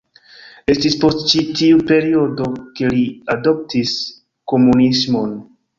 Estis post ĉi tiu periodo ke li adoptis komunismon.